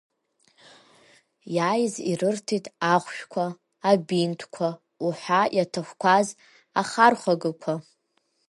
Иааиз ирырҭеит ахәшәқәа, абинтқәа уҳәа иаҭахқәаз ахархәагақәа.